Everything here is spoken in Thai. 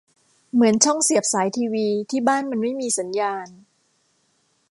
เหมือนช่องเสียบสายทีวี ที่บ้านมันไม่มีสัญญาณ